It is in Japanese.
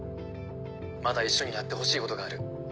まだ一緒にやってほしいことがある。